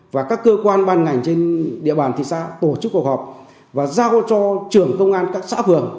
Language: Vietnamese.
và các cơ quan ban ngành trên địa bàn thị xã tổ chức cuộc họp và giao cho trưởng công an các xã phường